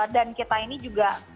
dan kita ini juga